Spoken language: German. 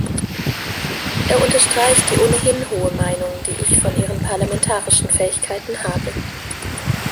Er unterstreicht die ohnehin hohe Meinung, die ich von ihren parlamentarischen Fähigkeiten habe.